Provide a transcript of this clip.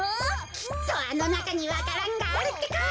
きっとあのなかにわか蘭があるってか！